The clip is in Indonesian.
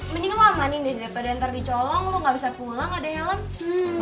mending lo amanin deh daripada ntar dicolong lu gak bisa pulang ada helm